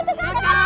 kau lihat kak